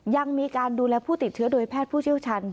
ยังมีการดูแลผู้ติดเชื้อโดยแพทย์ผู้เชี่ยวชัน